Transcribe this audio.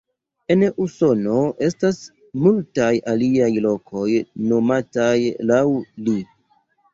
En Usono estas multaj aliaj lokoj nomataj laŭ li.